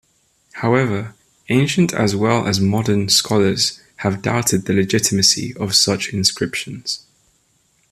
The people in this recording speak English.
However, ancient as well as modern scholars have doubted the legitimacy of such inscriptions.